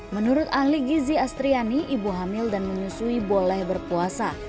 menurut ahli gizi astriani ibu hamil dan menyusui boleh berpuasa